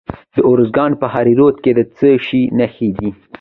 د ارزګان په دهراوود کې د څه شي نښې دي؟